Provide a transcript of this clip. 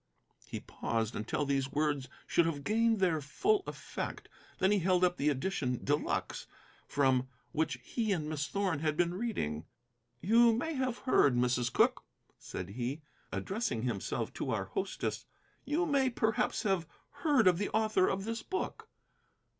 He paused until these words should have gained their full effect. Then he held up the edition de luxe from which he and Miss Thorn had been reading. "You may have heard, Mrs. Cooke," said he, addressing himself to our hostess, "you may perhaps have heard of the author of this book."